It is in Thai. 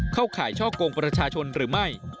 เข้าข่ายช่อกงประชาชนหรือไม่